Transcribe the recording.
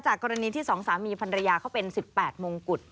กรณีที่๒สามีภรรยาเขาเป็น๑๘มงกุฎ